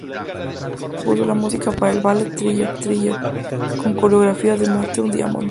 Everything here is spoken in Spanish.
Kraft compuso la música para el ballet, "Thriller", con coreografía de Matthew Diamond.